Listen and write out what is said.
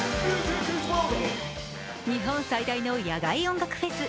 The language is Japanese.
日本最大の野外音楽フェス